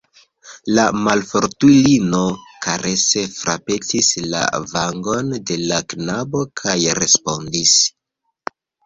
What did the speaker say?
La malfortulino karese frapetis la vangon de la knabo kaj respondis: